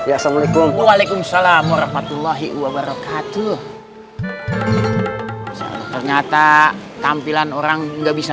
assalamualaikum waalaikumsalam warahmatullahi wabarakatuh ternyata tampilan orang nggak bisa